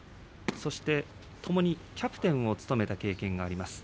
そしてともにキャプテンを務めた経験があります。